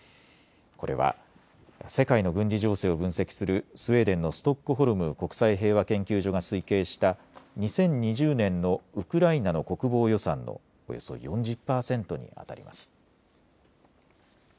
これは世界の軍事情勢を分析するスウェーデンのストックホルム国際平和研究所が推計した２０２０年のウクライナの国防予算のおよそ４０％にあたります。